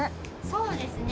そうですね。